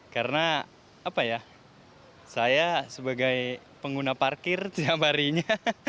karena apa ya saya sebagai pengguna parkir tiap harinya